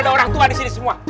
kan orang tua disini semua